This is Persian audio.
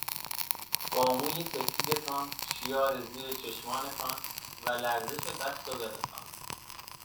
با موے سپیدتان ،شیـار زیر چشمتـان و لرزش دستـــــ و دلتـــان